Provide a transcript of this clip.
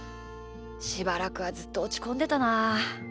しばらくはずっとおちこんでたな。